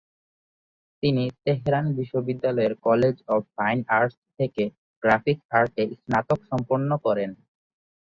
তিনি তেহরান বিশ্ববিদ্যালয়ের college of fine arts থেকে গ্রাফিক আর্টে স্নাতক সম্পন্ন করেন।